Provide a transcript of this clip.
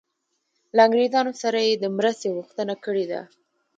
له انګریزانو یې د مرستې غوښتنه کړې ده.